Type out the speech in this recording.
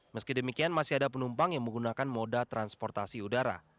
meski demikian masih ada penumpang yang menggunakan moda transportasi udara